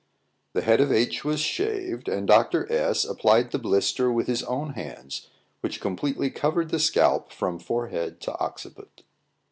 The head of H was shaved, and Dr. S applied the blister with his own hands, which completely covered the scalp from forehead to occiput.